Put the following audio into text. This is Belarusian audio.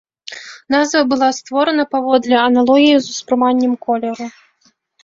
Назва была створана паводле аналогіі з успрыманнем колеру.